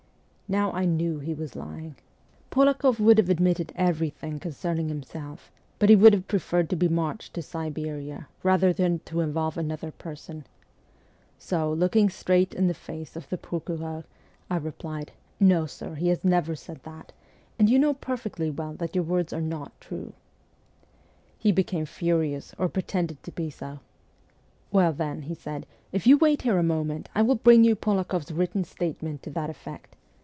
Now I knew he was lying. Polakoff would have admitted everything concerning himself ; but he would have preferred to be marched to Siberia rather than to involve another person. So, looking straight in the face of the procureur, I replied, ' No, sir, he has 134 MEMOIRS OF A REVOLUTIONIST never said that, and you know perfectly well that your words are not true.' He became furious, or pretended to be so. ' Well, then,' he said, ' if you wait here a moment, I will bring you Polakoff's written statement to that effect.